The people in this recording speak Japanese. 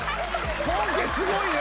本家すごいね。